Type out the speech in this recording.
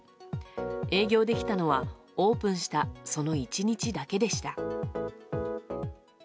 営業できたのはオープンしたその１日だけでした。